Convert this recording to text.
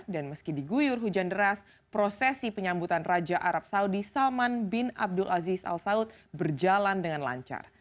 dan meski diguyur hujan deras prosesi penyambutan raja arab saudi salman bin abdulaziz al saud berjalan dengan lancar